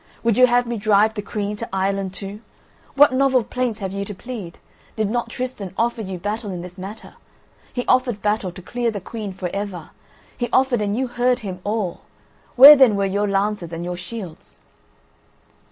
Would you have me drive the Queen to Ireland too? What novel plaints have you to plead? Did not Tristan offer you battle in this matter? He offered battle to clear the Queen forever: he offered and you heard him all. Where then were your lances and your shields?"